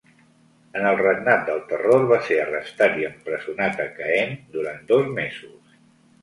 En el Regnat del Terror va ser arrestat i empresonat a Caen durant dos mesos.